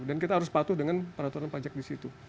dan kita harus patuh dengan peraturan pajak di situ